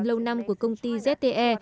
lâu năm của công ty zte